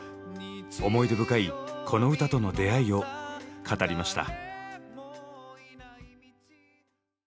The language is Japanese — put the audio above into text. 思い出深いこの歌との出会いを語りました。